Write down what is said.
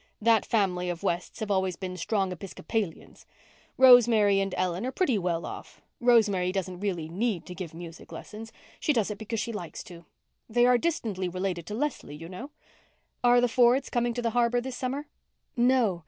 That family of Wests have always been strong Episcopalians. Rosemary and Ellen are pretty well off. Rosemary doesn't really need to give music lessons. She does it because she likes to. They are distantly related to Leslie, you know. Are the Fords coming to the harbour this summer?" "No.